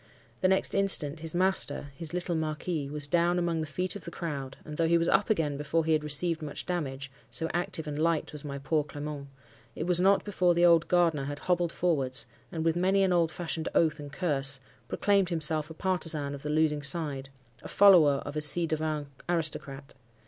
The next instant, his master—his little marquis—was down among the feet of the crowd, and though he was up again before he had received much damage—so active and light was my poor Clement—it was not before the old gardener had hobbled forwards, and, with many an old fashioned oath and curse, proclaimed himself a partisan of the losing side—a follower of a ci devant aristocrat.